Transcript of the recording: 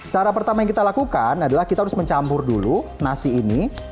cara pertama yang kita lakukan adalah kita harus mencampur dulu nasi ini